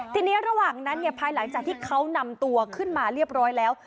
ทีนี้ระหว่างนั้นเนี่ยภายหลังจากที่เขานำตัวขึ้นมาเรียบร้อยแล้ว